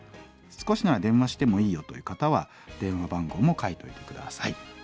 少しなら電話してもいいよという方は電話番号も書いておいて下さい。